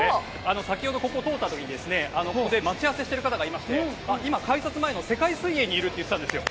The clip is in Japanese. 先ほど、ここを通った時に待ち合わせをしている方がいて今、改札前の世界水泳にいるって言っていたんですよ。